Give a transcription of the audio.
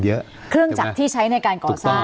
เยอะเครื่องจักรที่ใช้ในการก่อซ่า